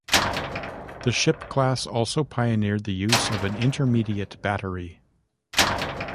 The ship class also pioneered the use of an intermediate battery.